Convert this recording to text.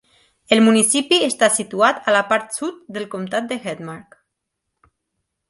El municipi està situat a la part sud del comtat de Hedmark.